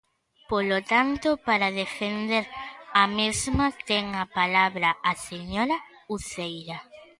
Polo tanto, para defender a mesma, ten a palabra a señora Uceira.